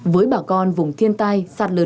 với bà con vùng thiên tai sạt lở núi